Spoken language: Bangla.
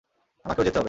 আমাকেও যেতে হবে!